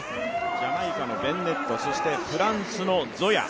ジャマイカのベンネットそしてフランスのゾヤ。